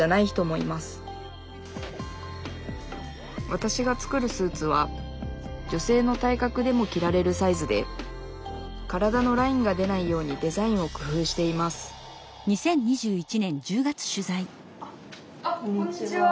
わたしが作るスーツは女性の体格でも着られるサイズで体のラインが出ないようにデザインをくふうしていますあっこんにちは。